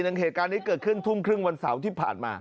เหตุการณ์นี้เกิดขึ้นทุ่มครึ่งวันเสาร์ที่ผ่านมา